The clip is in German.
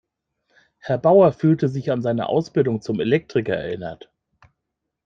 Herr Bauer fühlte sich an seine Ausbildung zum Elektriker erinnert.